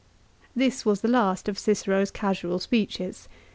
199 This was the last of Cicero's casual speeches.